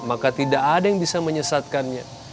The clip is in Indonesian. maka tidak ada yang bisa menyesatkannya